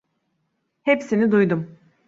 Hepsini duydum.